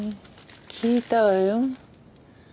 聞いたわよ。